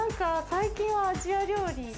最近はアジア料理。